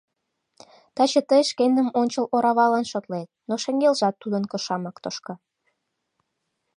Таче тый шкендым ончыл оравалан шотлет, но шеҥгелжат тудын кышамак тошка.